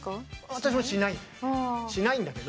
私もしないんだよね。